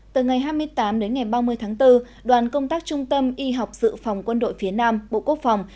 từ ngày hai mươi tám đến ngày ba mươi tháng bốn đoàn công tác trung tâm y học dự phòng quân đội phía nam bộ quốc phòng